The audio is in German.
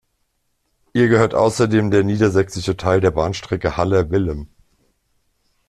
Ihr gehört außerdem der niedersächsische Teil der Bahnstrecke „Haller Willem“.